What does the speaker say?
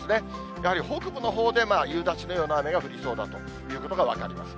やはり北部のほうで夕立のような雨が降りそうだということが分かります。